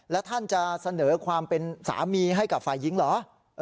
แล้วท่านจะเสนอความเป็นสามีให้กับฝ่ายหญิงเหรอ